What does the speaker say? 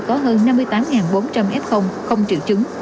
có hơn năm mươi tám bốn trăm linh f không triệu chứng